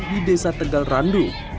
di desa tegal randu